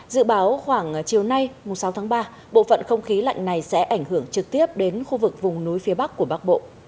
dự báo khoảng chiều nay sáu tháng ba bộ phận không khí lạnh này sẽ ảnh hưởng trực tiếp đến khu vực vùng núi phía bắc của bắc bộ